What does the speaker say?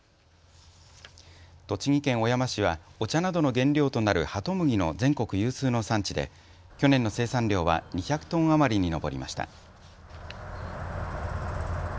栃木県小山市はお茶などの原料となるハトムギの全国有数の産地で去年の生産量は２００トン余りに上りました。